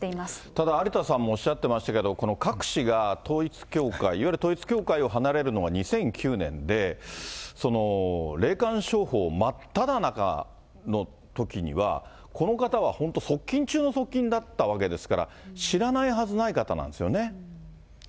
ただ、有田さんもおっしゃってましたけど、郭氏が統一教会、いわゆる統一教会を離れるのは２００９年で、霊感商法真っただ中のときには、この方は本当、側近中の側近だったわけですから、そうなんです。